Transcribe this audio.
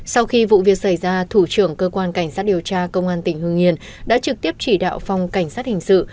sau khi vụ việc xảy ra thủ trưởng cơ quan cảnh sát điều tra công an tỉnh hương yên đã trực tiếp chỉ đạo phòng cảnh sát hình sự